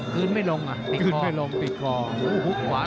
คืนไม่ลงอะ